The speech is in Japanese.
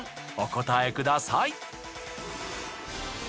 お答えください。